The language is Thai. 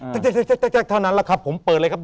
ตั๊กเท่านั้นแล้วครับผมเปิดเลยครับ